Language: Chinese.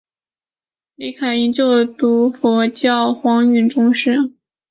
李凯茵就读佛教黄允畋中学。